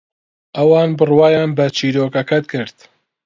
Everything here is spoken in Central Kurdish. ئەوان بڕوایان بە چیرۆکەکەت کرد.